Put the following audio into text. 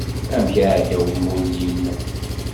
Amek iεedda umulli-m?